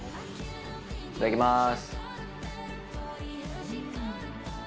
いただきます。